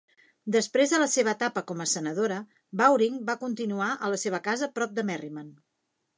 Després de la seva etapa com a senadora, Bowring va continuar a la seva casa a prop de Merriman.